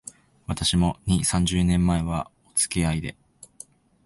私も、二、三十年前は、おつきあいで